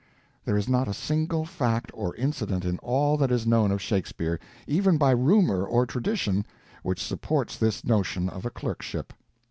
There is not a single fact or incident in all that is known of Shakespeare, even by rumor or tradition, which supports this notion of a clerkship.